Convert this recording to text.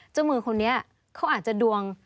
เจ้ามือคนนี้เขาอาจจะดวง